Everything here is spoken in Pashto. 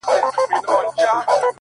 دا خواست د مړه وجود دی؛ داسي اسباب راکه؛